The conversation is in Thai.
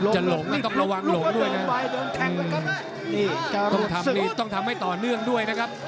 จะหลงนะต้องระวังหลงด้วยนะอื้มนี่ต้องทำต่อเนื่องด้วยนะครับ